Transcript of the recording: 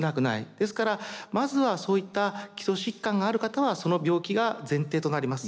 ですからまずはそういった基礎疾患がある方はその病気が前提となります。